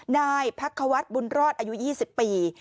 นายพักควัฒน์บุญรอดอายุ๒๐ปี